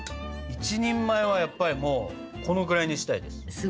１人前はやっぱりもうこのくらいにしたいです。